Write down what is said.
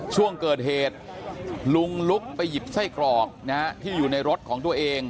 ช่วงเกิดเหตุลุงลุกไปหยิบไส้กรอกที่อยู่ในรถของตัวเอง